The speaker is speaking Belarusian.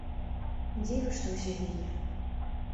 Дзіва, што ўсё гіне.